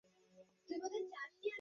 তুমি নিশ্চই ক্ষুধার্ত।